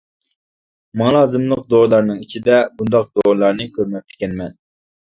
ماڭا لازىملىق دورىلارنىڭ ئىچىدە بۇنداق دورىلارنى كۆرمەپتىكەنمەن.